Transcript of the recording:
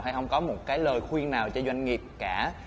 hay không có một cái lời khuyên nào cho doanh nghiệp cả